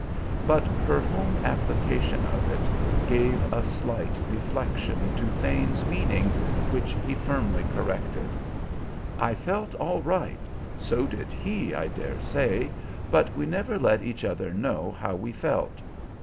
But her home application of it gave a slight deflection to Thane's meaning which he firmly corrected. "I felt all right; so did he, I dare say, but we never let each other know how we felt.